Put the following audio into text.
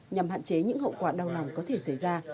nhằm hạn chế những hậu quả đau lòng có thể xảy ra